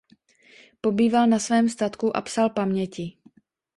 Pobýval na svém statku a psal paměti.